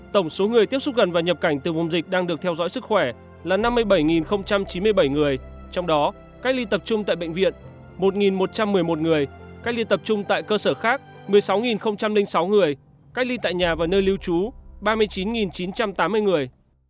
tổng số người tiếp xúc gần và nhập cảnh từ vùng dịch đang được theo dõi sức khỏe là năm mươi bảy chín mươi bảy người trong đó cách ly tập trung tại bệnh viện một một trăm một mươi một người cách ly tập trung tại cơ sở khác một mươi sáu sáu người cách ly tại nhà và nơi lưu trú ba mươi chín chín trăm tám mươi người